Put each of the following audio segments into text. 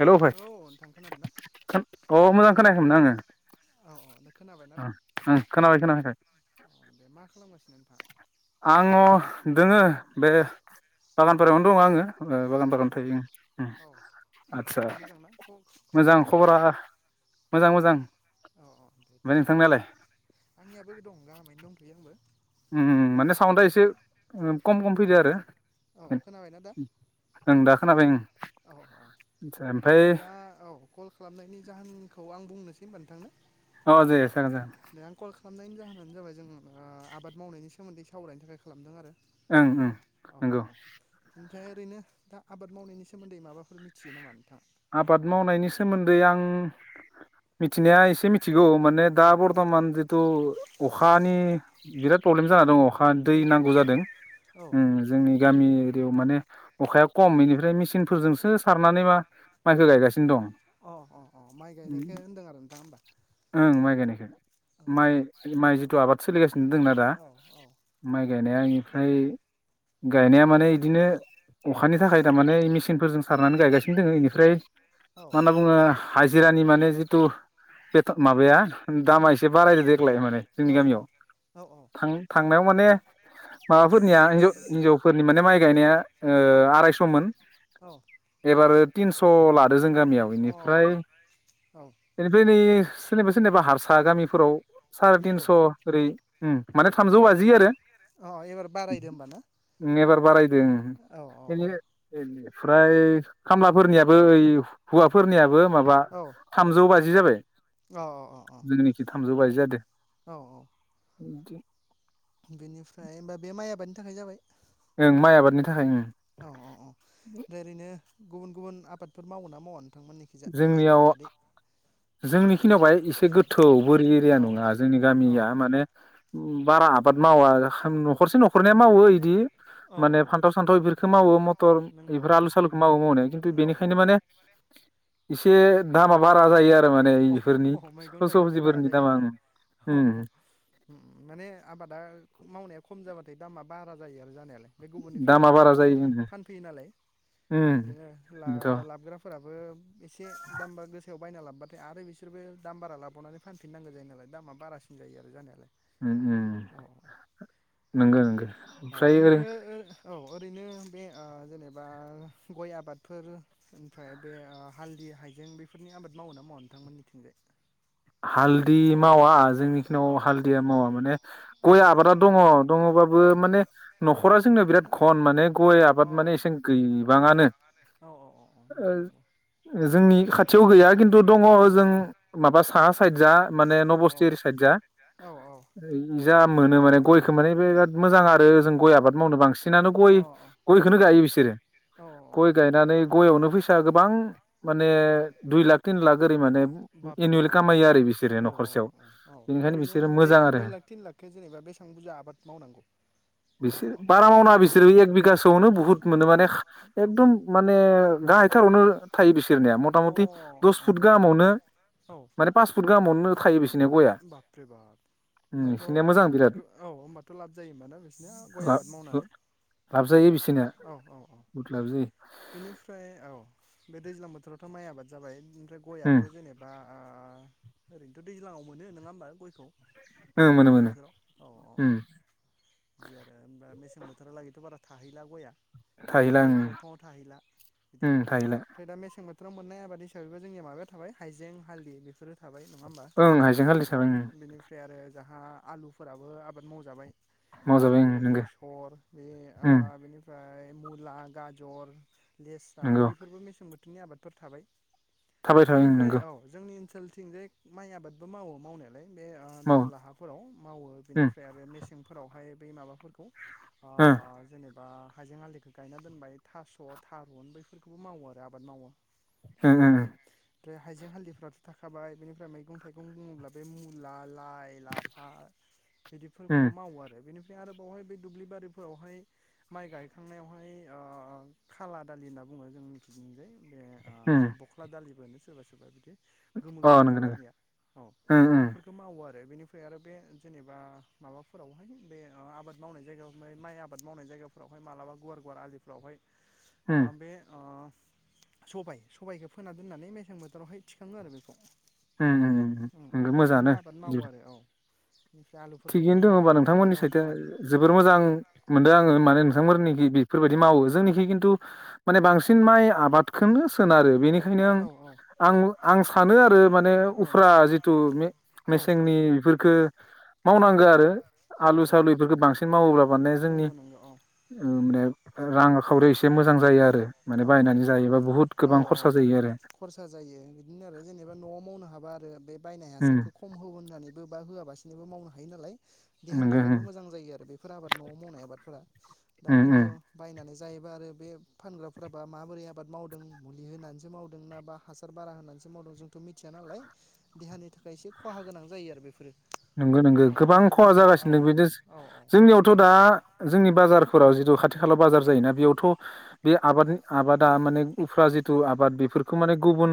Hello औ भाइ नोंथां खोनादों ना अ मोजां खोनायाखैमोन आङो औ औ नों खोनाबायना दा ओं खोनाबाय खोनाबाय अ दे मा खालामगासिनो नोंथाङा आङो दोङो बे बागानफोरयावनो दङ आङो बागान औ बागान औ थायो औ आदसा ओमफ्राय मोजांना खबरा नोंथांनो मोजां मोजां अ अ दे ओमफ्राय थिगानो नोंथांनालाय होमबा आंनियाबो दं गाहामैनो दं [unintelligible] माने साउन्डआ एसे खम खम फैदो आरो औ खोनाबायना दा खोनादों औ औ ओमफ्राय दा औ कल खालामनायनि जाहोनखौ आं बुंनोसै होनबा नोंथांनो औ दो जागोन जागोन दे आं कल खालामनायनि जाहोनानो जाबाय जों आबाद मावनायनि सोमोन्दै सावरायनो थाखाय खालामदों आरो ओं ओं औ औ नंगौ औ ओमफ्राय ओरैनो दा आबाद मावनायनि सोमोन्दै माबाफोर मिथियो नामा नोंथां आबाद मावनायनि सोमोन्दै आं मिथिनाया एसे मिथिगौ खौ माने औ दा औ बरथमान जितु अखानि बिराद प्रब्लेम जाना दङ अखा दै नंगौ नांगौ नंगौ जादों औ जोंनि गामि एरियायाव माने अखाया खम बेनिफ्राय मेचिनफोरजोंसो सारनानै मा माइखौ गायगासिनो दं अह माइ गायनायखौ होनदों आरो नोंथाङा होमबा ओं माइ औ माइ माइ जिथु आबाद सोलिगासिनो दंना दा औ औ माइ गायनाया ओमफ्राय गायनाया माने इदिनो अखानि थाखाय थारमाने मेसिनफोरजों सारनानै गायगासिनो दोङो बेनिफ्राय औ मा होनना बुङो हाजिरानि माने जिथु माबाया दामा उम एसे बारायदो देग्लाय माने जोंनि औ गामियाव औ थां थांनायाव माने माबाफोरनिया हिन्जावफोरनि माने माइ गायनाया आरायस'मोन एबार तिनस' ला दों जों गामियाव औ बेनिफ्राय अ औ बेनिफ्राय नै सोरनिबा सोरनिबा हारसा गामिफोराव साराय नंगौ तिनस' ओरै माने थामजौ औ बाजि आरो अ एबार बारायदो होमबा ना एबार बारायदों औ औ ओमफ्राय खामलाफोरनियाबो ओइ हौवाफोरनियाबो माबा औ थामजौ बाजि जाबाय अ अ अ जोंनिखि थामजौ बाजि जादों औ औ बिदि बेनिफ्राय होमबा बे माइ आबादनि थाखाय जाबाय ओं माइ आबादनि थाखाय ओं औ औ औ ओमफ्राय ओरैनो गुबुन गुबुन आबादफोर मावो ना मावा नोंथांमोननिखिजा माइनि जोंनियाव बादै जोंनिखिनियाव बाहाय एसे गोथौ बोरि एरिया औ नङा जोंनि औ गामिया माने बारा आबाद मावा न'खरसे न'खरनिया मावो बिदि औ माने औ फान्थाव सान्थाव बेफोरखौ मावो मथर नंगौ बेफोर आलु औ सालुखौ मावो मावनाय खिन्थु औ बेनिखायनो माने इसे दामा बारा जायो आरो माने औ इफोरनि स सबजिफोरनि दामा ओम अह माने आबादा मावनाया खम जाबाथाय दामा बारा जायो आरो जानायालाय गुबुननिफ्राय दामा लाबोना बारा जायो उम फानफैयो नालाय उम बिदिनो बेनोथ' लाबोग्राफोराबो बो एसे दाम गोसायाव बायना लाबो ओमफ्राय आरो बिसोरबो दाम बारा लाबावनानै फानफिननांगौ जायो नालाय दामा बारासिन जायो आरो जानायालाय ओम ओम औ नंगौ नंगो औ ओमफ्राय ओरै औ ओरैनो बे जेनेबा गय आबादफोर ओमफ्राय बे हालदै बे हाइजें बेफोरनि आबाद मावो ना मावा नोंथांमोननिथिंजाय हालदि मावा औ जोंनिखिनियाव हालदिया मावा माने औ गय आबादा दङ औ अ दङबाबो माने न'खरा जोंना बिराद खन माने गय आबाद माने एसेन गैबाङानो औ औ औ ओ नंगौ नंगौ जोंनि खाथियाव गैया खिन्थु दङ जों माबा साहा साइद जा माने औ नबस्ति ओरै साइद जा औ औ जा मोनो माने गयखौ माने उम बेराद मोजां आरो जों गय आबाद मावनो बांसिनानो अ गय गयखौनो औ गायो बिसोरो औ गय औ गायनानै गयावनो फैसा गो बां माने दुइ लाख तिन लाख ओरै माने बापरे एनुवेल औ खामायो आरो बिसोरो औ न'खरसेयाव औ बेनिखायनो ओरैनो बिसोरो बे मोजां आरो दुइ लाख तिन लाखखो जेनेबा बेसेबां बुजा आबाद माव मावनांगौ बिसोर बारा मावनाङा बिसोरो एक बिगासोआवनो बुहुत मोनो माने एकदम माने गाहायथारावनो थायो बिसोरनिया मथा अ मथि अ दस फुट गाहामावनो औ माने पास फुत गाहामावनो थायो बिसनिया गया बापरे बाप होमबाथ' बिसोरनिया मोजां बिराद औ होमबाथ' लाब जायो होमबा ना बिसोरनिया गय लाब आबाद मावनानै लाब जायो बिसो औ औ औ बेनिफ्राय औ बे दैज्लां बोथोरावथ' माइ आबाद जाबाय ओमफ्राय उम गयाथ' जेनेबा ओ ओरैनोथ' दैज्लाङाव मोनो नोङा होमबा गयखौ ओं मोनो दैज्लां मोनो बोथोराव औ औ उम ओ होनबा मेसें बोथोरालागैथ' बारा थाहैला गया थाहैला बे बंफाङाव थाहैला बिदि ओं आरो थाहैला ओमफ्राय दा मेसें बो थोराव मोननाय आबाद हिसाबैबो जोंनिया माबाया थाबाय हाइजें हालदि बेफोरो थाबाय नङा होमबा ओं हाइजें हालदै अ साबाय उम बेनिफ्राय आरो जाहा आलुफोराबो आबाद मावजाबाय मावजाबाय आलु ओं नंगौ बेसर बे ओ बेनि फ्राय मुला गाजर लेस्रा नंगौ बैफोरबो मेसें बोथोरनि आबादफोर थाबाय थाबाय थाबाय बेनिफ्राय नंगौ औ जोंनि ओनसोलथिं जे माइ आबादबो मावो मावनायालाय बे ओ मावो दहला हाफोराव मावो उम बेनिफ्राय आरो मेसेंफोरावहाय बै माबाफोरखौ ओ जेनेबा हाइजें हालदिखौ गायना दोनबाय थास' थारुन बैफोरखौबो मावो आरो आबाद मावो ओ ओम ओमफ्राय हाइजें हालदिफोराथ' थाखाबाय बेनिफ्राय मैगं थाइगं बुङोब्ला बे मुला लाइ लाफा उम बिदिफोरखौबो मावो आरो बेनि आरो बावहाय बेै दुब्लि बारिफोरावहाय माइ गायखांनायावहाय ओ खाला दालि होनना बुङो जोंनिथिंजाय बे ओ उम बख्ला दालिफोरानो सोरबा सोरबा बिदि गोमो अ गोमो नंगौ खालारनिया औ नंगौ बेफोरखौ मावो आरो रो बेनिफ्राय आरो बे जेनेबा माबाफोरावहाय बे आबाद मावनाय जायगायाव माइ आबाद मावनाय जायगायाव फोरावहाय मालाबा गुवार गुवार आलिफ्रावहाय ओ बे ओ सबाइ सबाइखौ फोना दोननानै मेसें बोथोरावहाय थिखाङो आरो बेखौ उम उम उम उम नोंगौ बिदिनो मोजाङानो आबाद मावो [unintelligible] आरो औ बेनिफ्राय थिगैनो आलुफोरखौबोथ' दङ होनोमबा मावखाबाय नोंथांमोननि औ साइथिं औ जोबोर मोजां मोनदों आङो माने थांफोरनिखै बेफोरबायदि मावो जोंनिखि खिन्थु माने बांसिन माइ आबादखौनो सोनारो बेनि खायनों औ औ आं आं आं सानो आरो माने औ उफ्रा जिथु मे औ मेसेंनि बेफोरखौ औ मावनांगो आरो औ आलु औ सालुफोरखौ बांसिन मावोब्ला माने जोंनि नंगौ नंगौ औ ने रांखावरियाव एसे मोजां जायो आरो माने औ बायनानै औ जायोबा बुहुत औ गोबां औ खरसा जायो आरो खरसा जायो बिदिनो आरो जेनेबा न'आव मावनो हाबा आरो बे बायनाय हासारखौ खम होननानैबो बा होआबासिनोबो मावनो हायो नालाय देहानि थाखायबो नंगौ मोजां जायो आरो बेफोर आबाद न'वाव मावनाय आबादफोरा दा खिन्थु बायनानै जायोबा आरो बे फानग्रा फोराबा माबोरै आबाद मावदों मुलि होनानैसो मावदों ना बा हासार बारा होनानैसो मावदों जोंथ' मिथिया नालाय देहानि थाखाय एसे खहा गोनां जायो आरो बेफोरो नंगौ नंगौ औ गोबां ओरैनोथ' खहा दा औ जागासिनो दं बिदि औ औ जोंनियावथ' दा जोंनि उम बाजारफोराव जिथु खाथि खाला बाजार जायोना बेयावथ' बे आबाद आबादा माने उफ्रा जिथु आबाद बेफोरखौ माने गुबुन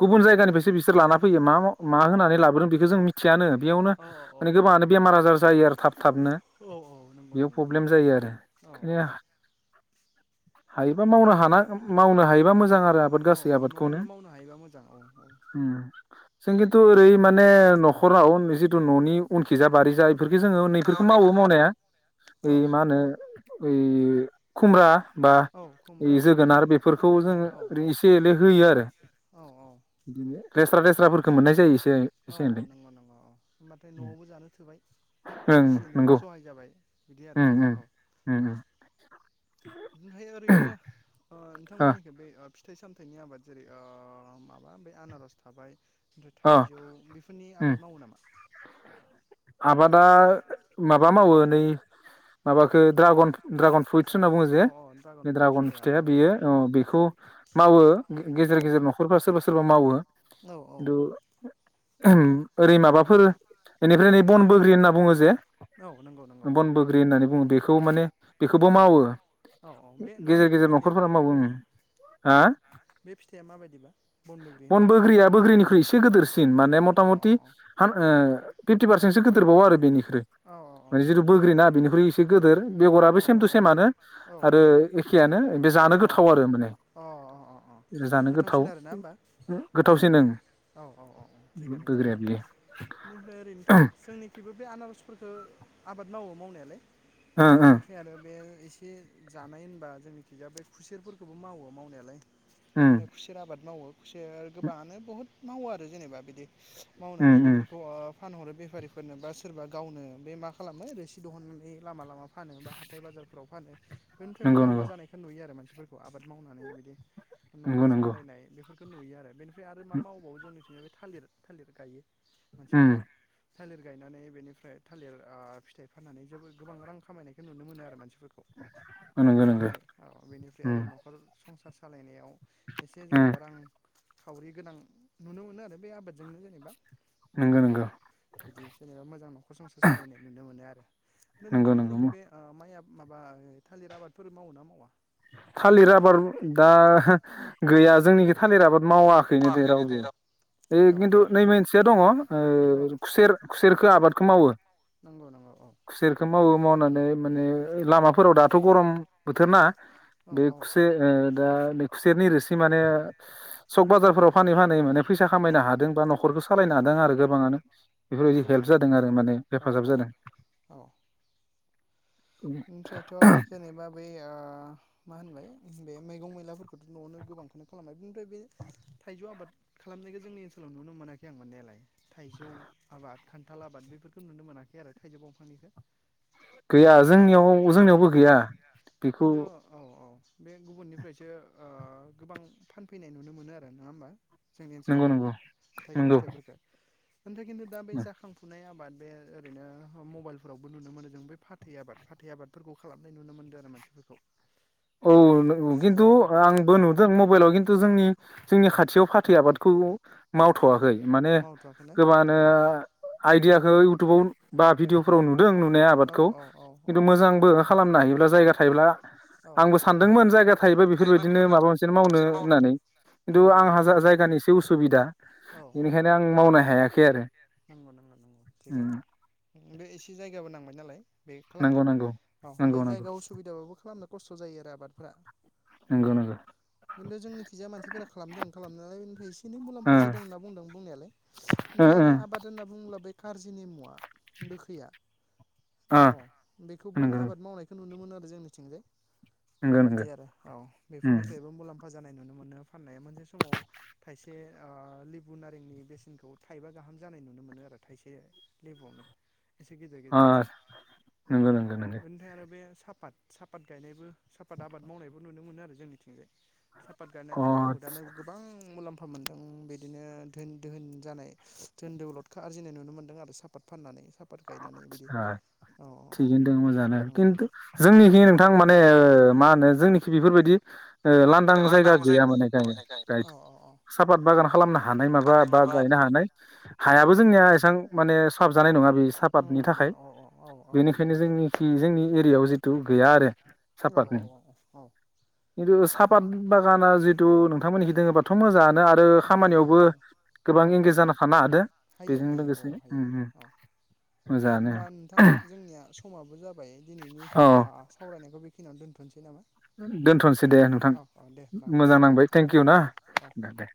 गुबुन औ जायगानिफ्रायसो बिसोर लाना फैयो मा मा अ होनानै लाबोदों बेखौ जों मिथियानो बेयावनो औ औ औ माने गोबाङानो बेमार आजार जायो आरो थाब थाबनो औ नंगौ बेयाव नंगौ प्रब्लेम जायो आरो औ बेखायनो हायोबा मावनो हाना मावनो हायोबा मोजां आरो आबाद औ गासै औ आबादखौनो न'आवनो मावनो हायोबा मोजां औ औ उम जों खिनथु ओरै माने न'खराव जिथु न'नि उनखिजाय बारिजाय बेफोरखौ जोङो उननिफोरखौ मावो मावनाया औ ओइ मा होनो ओइ खुमब्रा बा औ खुमब्रा जोगोनार बेफोरखौ जोगोनार औ औ जोंङो एसे एनै होयो आरो औ औ रेस्रा देस्राफोरखौ मोननाय जायो एसे औ एसे औ एनै नंगौ नंगौ औ होमबाथाय न'आवबो जानो थोबाय ओं एसे एनै नंगौ सहाय जाबाय बिदि आरो उम उम औ उम ओमफाय ओरैनो ओ अ नोंथांमोननिखै बे ओ फिथाइ सामथाइनि आबाद जेरै ओ माबा बे आनारस थाबाय ओमफ्राय अ थाइजौ बेफोरनि उम आबाद मावो नामा आबादा माबा मावो नै माबााखो ड्रागन ड्रागन फ्रुइट होनना बुङो औ जे औ ड्रागन बे द्रागन औ फिथाइया औ बेयो ओ बेखौ मावो औ गेजेर गेजेर न'खरफ्रा सोरबा सोरबा मावो औ औ खिनथु ओरै माबाफोर बेनिफ्राय नै बन बग्रि होनना बुङो जे औ नंगौ नंगौ औ बन बग्रि होननानै बुङो बे खौ माने बेखौबो मावो औ औ बे गेजेर माबायदि गेजेर फिथाइया न'खरफोरा बन मावो बैग्रिया उम हा बे फिथाइया माबायदिबा बन बैग्रि होननाया बे गेदिरसिन माने मथा अ मथि ओ फिफ्टि पारसेन्टसो गोदोरबावो आरो बेनि बि अ माने जिथु औ बोग्रिनाा बेनिख्रुइ एसे गिदिर औ बेगराबो सेम थटु सेमानो औ आरो एखेयानो बे जानो औ गोथाव आरो माने औ अ अ अ जानो गोथाव गोथावसिन आरोना होमबा गोथावसिन ओं औ औ औ औ थिगानो बोग्रिया थिगानो बियो बेनिफ्राय ओरैनोथ' जोंनिखिबो बे आना रसफोरखौ आबाद मावो मावनायालाय ओ ओ बेनिफ्राय आरो बे एसे जानाय होनबा जोंनिथिंजा बे खुसेरफोरखौबो मावो मावनायालाय उम बे खुसेर आबाद मावो खुसेर गोबाङानो बहुत मावो आरो जेनेबा बिदि उम मावनानै उम बेफोरखौ ओ फानहरो बेफारिफोरनो बा सोरबा गावनो बे मा खालामो रसि दिहुननानै लामा लामा फानो बा हाथाय बाजारफोराव फानो बेनिफ्राय नंगौ मुलामफा नंगौ जानायखौ नुयो आरो मानसिफोरखौ आबाद मावनानै बिदि न'खर नंगौ नंगौ सामलायनाय बेफोर नुयो आरो बेनिफ्राय आरो मा मावबावो जोंनिथिजाय थालिर थालिर गायो उम मानसिफोरा थालिर गायनानै बेनिफ्राय थालिर ओ फिथाइ फाननानै जोबोर गोबां रां खामायनायखौ नुनो मोनो आरो मानसि फोरखौ नंगौ नंगौ बिदिहाय औ बेनिफ्राय उम आरो न'खर संसार सालायनायाव एसे उम जेनेबा रां खावरि गोनां नुनो मोनो आरो बे आबादजोंनो जेनेबा नंगौ औ नंगौ बिदि जेनेबा मोजां न'खर संसार सालायनाय नुनो मोनो आरो नंगौ नंगौ नोंथांमोननिखै बे माइ आ माबा थालिर आबादफोर मावो ना मावा थालिर आबाद दा गैया जोंनिखि थालिर आबाद मावाखैनो दे रावबो बे औ खिनथु औ नै मोनसेया दङ ओ औ खुसेर खुसेरखौ आबादखौ मावो नंगौ नंगौ औ खुसेरखौ मावो मावनानै माने लामाफोराव दाथ' गरम बोथोरना औ बे औ खुसेर ओ दा नै खुसेरनि रोसि माने सक बाजारफोराव फानै फानै माने फैसा औ खामायनो हादों बा न'खरखौ सालायनो हादों आरो गोबाङानो बेफोरबायदि नंगौ हेल्प नंगौ जादों आरो माने हेफाजाब जादों अ ओमफ्रायथ' जेनेबा बै ओ मा होनबाय बे मैगं मैलाफोरखौथ' न'आवनो गोबांखौनो खालामबाय बेनिफ्राय बे थाइजौ आबाद खालाम मख [unintelligible] जोंनि ओनसाव नुनो मोनाखै आं मोननायालाय थाइजौ आबाद खान्थाल आबाद बेफोरखौ नुनो मोनाखै आरो थाइजौ दंफांनिखौ गैया नङा होमबा जोंनियाव औ औ जोंनियावबो गैया बेखौ खिन्थु औ औ बे गुबुननिफ्रायसो ओ गोबां फानफैनाय नुनो मोनो आरो नङा होमबा जोंनि नंगौ ओनसोलावहाय नंगौ थाइजौ नंगौ फिथाइफोरखौ ओमफ्राय खिन्थु दा बे जाखांफुनाय आबाद बे ओरैनो मबाइलफोरावबो नुनो मोनो जों बे फाथ फाथै आबाद फाथै आबादफोरखौ खालामनाय नुनो मोनदों आरो मानसिफोरखौ औ औ नोंगौ खिन्थु औ औ आंबो नुदों मबाइलाव खिन्थु जोंनि जोंनि खाथियाव फाथै आबादखौ औ मावथ'वाखै माने मावथ'वाखैना गोबाङानो औ आइदियाखौ इउथुबाव बा भिडिअफोराव नुदों नुनाय औ आबादखौ औ औ औ खिन्थु मोजांबो खालामनो हायोब्ला जायगा थायोब्ला औ आंबो सानदोंमोन जायगा थायोबा बेफोरबायदिनो माबा मोनसे मावनो होननानै खिन्थु नंगौ नंगौ आंहा जा औ जायगानि एसे उसुबिदा औ औ बेनिखायनो आं मावनो हायाखै आरो नंगौ नंगौ नंगौ उम थिगानो उम बे एसे जायगाबो नांबाय नालाय बे नंगौ खालामनो नंगौ अ बे नंगौ नंगौ जायगायाव उसुबिदाबाबो खालामनो खस्थ' जायो आरो आबादफोरा औ नंगौ नंगौ खिन्थु जोंनिखिजाया मानसिफोरा खालामदों खालामनायालाय एसे एनै ओ मुलाम्फा जादों होनना बुंदों बुंनायालाय ओ ओमफ्राय ओ आरो आबाद होनना बुंङोला बे कारजिनि मुवा गोखैया ओ औ बेखौबो नंगौ नंगौ आबाद मावनायखौ नुनो मोनो आरो जोंनिथिंजाय नंगौ बिदि नंगौ आरो औ उम बेफोरनिफ्रायबो मुलाम फा जानाय नुनो मोनो फाननाया मोनसे समाव थाइसे ओ लेबु नारेंनि बेसेनखौ थाइबा गा हाम जानाय नुनो मोनो आरो थाइसे लेबुआवनो एसे गेदेर ओ गेदेरखौ नंगौ औ नंगौ नंगौ। बेनिफ्राय आरो बे साफात सा साफाद गायनायबो साफत आबाद मावनायबो नुनो मोनो आरो जोंनिथिंजाय सापात अ गायनानैथ' आदसा बहुतआनो गोबां मुलाम्फा मोनदों बिदिनो धोन दोहोन जानाय धोन दौलदखौ आरजिनाय नुनो मोन्दों आरो साफात फाननानै सा आ थिगैनो दं मोजाङानो औ खिन्थु जोंनिखि नोंथां माने मा होनो जोंनिखि बेफोरबायदि ओ लांदां जायगा गैया माने गायनो गाइद औ औ साफात बागान खालामनो हानाय माबा बा गायनो हानाय औ हायाबो जोंनिया एसेबां माने साब जानाय नङा बे सापातनि नंगौ नंगौ थाखाय औ औ औ बेनिखायनो जोंनिखि जोंनि एरियायाव जिथु गैया आरो औ औ साफातनि औ खिन्थु औ साफात बागाना जि खिन्थु नोंथांमोनिखि दोङोबाथ' मोजाङानो आरो दङ दङ खामानियावबो औ औ गोबां एंगेज जाना थानो हादों हायो बेजों हायो औ लोगोसे हायो उम उम औ मोजाङानो होमबा नोंथां जोंनिया समाबो जाबाय दिनैनि औ ओ सावराय नायखौ बे खिनियावनो दोनथ'नोसै नामा दोन्थ'नोसै दे नोंथां औ औ दे होमबा मोजां गोजोन्थों नांबाय नोंथां औ थेंकिउ ना औ औ दे